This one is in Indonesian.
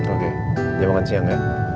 oke ya makan siang ya